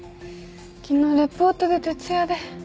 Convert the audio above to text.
昨日レポートで徹夜で。